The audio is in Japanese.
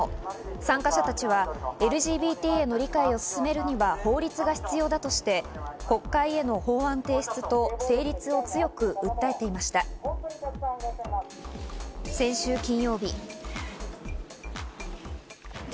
参加者たちはＬＧＢＴへの理解を進めるには法律が必要だとして、国会への法案提出と成立を強く訴えていました。